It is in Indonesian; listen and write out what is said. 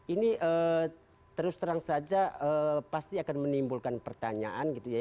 ini terus terang saja pasti akan menimbulkan pertanyaan gitu ya